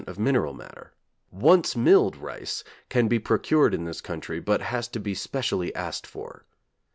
of mineral matter. 'Once milled' rice can be procured in this country, but has to be specially asked for.